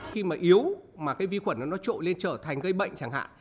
khi mà yếu mà cái vi khuẩn nó trội lên trở thành gây bệnh chẳng hạn